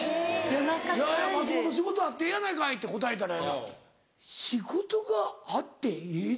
松本仕事あってええやないかいって答えたらやな「『仕事があっていいじゃないか』ですって？」。